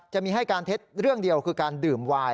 จะมีให้การเท็จเรื่องเดียวคือการดื่มวาย